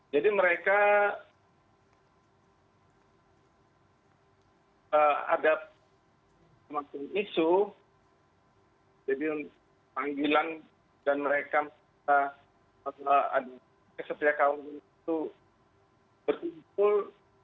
jadi mereka ada isu jadi panggilan dan mereka setiap tahun itu berkumpul